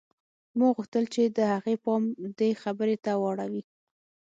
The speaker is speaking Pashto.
ما غوښتل چې د هغې پام دې خبرې ته واوړي